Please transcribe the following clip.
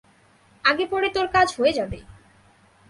আগে পরে তোর কাজ হয়ে যাবে!